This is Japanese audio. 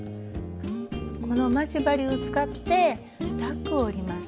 この待ち針を使ってタックを折ります。